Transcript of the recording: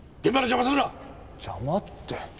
邪魔って。